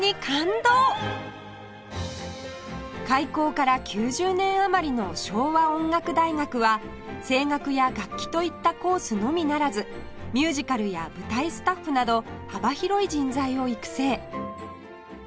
開校から９０年余りの昭和音楽大学は声楽や楽器といったコースのみならずミュージカルや舞台スタッフなど幅広い人材を育成